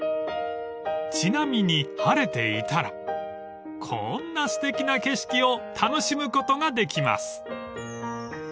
［ちなみに晴れていたらこーんなすてきな景色を楽しむことができます］